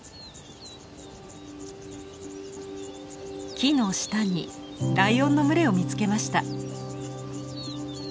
木の下にライオンの群れを見つけました。